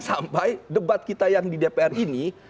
sampai debat kita yang di dpr ini